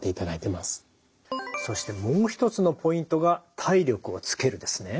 そしてもう一つのポイントが体力をつけるですね。